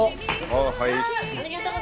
ありがとう。